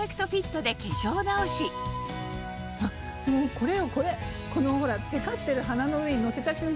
これよこれこのほら。